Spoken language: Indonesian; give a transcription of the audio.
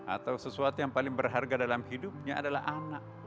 atau sesuatu yang paling berharga dalam hidupnya adalah anak